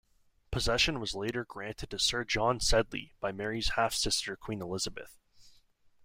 Possession was later granted to Sir John Sedley by Mary's half-sister Queen Elizabeth.